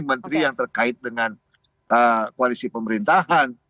menteri yang terkait dengan koalisi pemerintahan